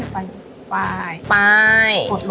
ปล่าย